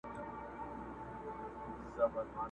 o هر سړى په خپل کور کي پاچا دئ٫